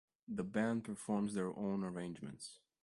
The band performs their own arrangements.